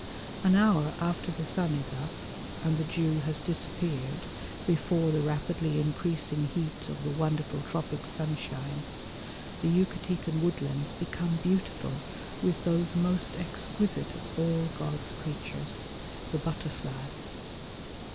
An hour after the sun is up and the dew has disappeared before the rapidly increasing heat of the wonderful tropic sunshine, the Yucatecan woodlands become beautiful with those most exquisite of all God's creatures, the butterflies.